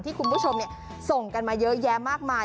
ที่คุณผู้ชมเนี่ยส่งกันมาเยอะแยะมากมาย